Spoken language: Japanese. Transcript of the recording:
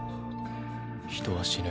人は死ぬ。